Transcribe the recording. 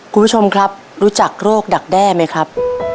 คุณผู้ชมครับรู้จักโรคดักแด้ไหมครับ